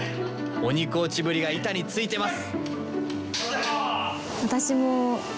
鬼コーチぶりが板についてます！